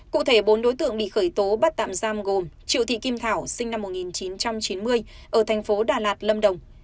cụ thể bốn đối tượng bị khởi tố bắt tạm giam gồm triệu thị kim thảo sinh năm một nghìn chín trăm chín mươi ở thành phố đà lạt lâm đồng